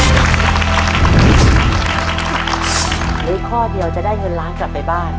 เหลืออีกข้อเดียวจะได้เงินล้านกลับไปบ้าน